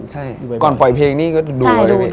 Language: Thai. อเจมส์ก่อนปล่อยเพลงนี้ก็ดู